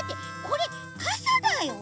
これかさだよ。